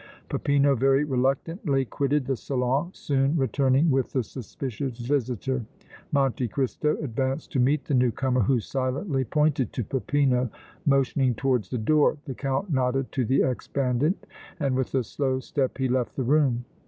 Peppino very reluctantly quitted the salon, soon returning with the suspicious visitor. Monte Cristo advanced to meet the new comer, who silently pointed to Peppino, motioning towards the door. The Count nodded to the ex bandit and with a slow step he left the room.